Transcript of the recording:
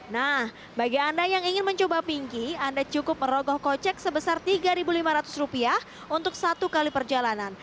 nah bagi anda yang ingin mencoba pinky anda cukup merogoh kocek sebesar rp tiga lima ratus untuk satu kali perjalanan